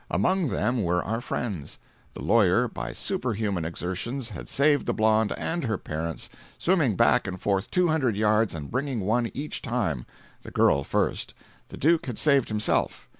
Among them were our friends. The lawyer, by superhuman exertions, had saved the blonde and her parents, swimming back and forth two hundred yards and bringing one each time—(the girl first). The Duke had saved himself.